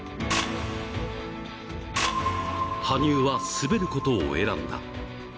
羽生は滑ることを選んだ。